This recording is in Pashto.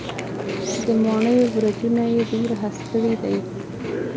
د ماڼېیو برجونه یې دومره هسک کړي دی.